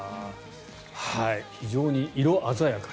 非常に色鮮やかな。